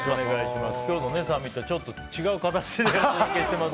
今日のサミットちょっと違う形でお届けします。